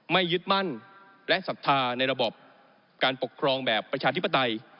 ยึดมั่นและศรัทธาในระบบการปกครองแบบประชาธิปไตย